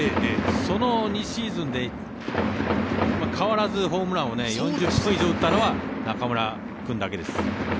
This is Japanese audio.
その２シーズンで変わらずホームランを４０本以上打ったのは中村君だけです。